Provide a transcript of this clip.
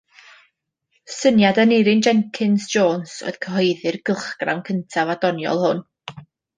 Syniad Aneurin Jenkins Jones oedd cyhoeddi'r cylchgrawn ysgafn a doniol hwn.